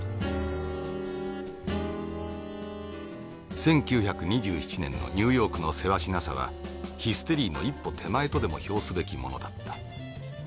「１９２７年のニューヨークのせわしなさはヒステリーの一歩手前とでも表すべきものだった。